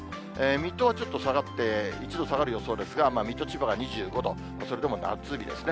水戸はちょっと下がって、１度下がる予想ですが、水戸、千葉が２５度、それでも夏日ですね。